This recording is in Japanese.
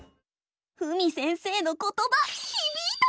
ふみ先生のことばひびいた！